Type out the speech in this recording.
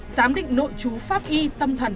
giám định nội chú pháp y tâm thần